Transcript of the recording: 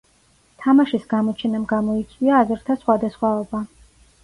თამაშის გამოჩენამ გამოიწვია აზრთა სხვადასხვაობა.